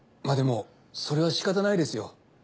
まあでもそれはしかたないですよ。